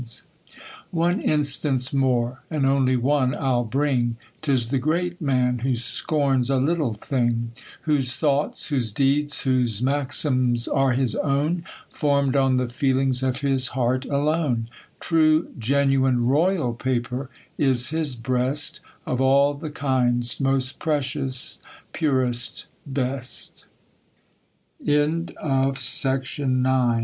's "> One instance more, and only one Pll brinj 'Tis the great man who scorns a little thing ; Whose thoughts, whose deeds, whose maxims are his own. Form'd on the feelings of his heart alone : True genuine royal paper is his breast ; Of all the kinds mos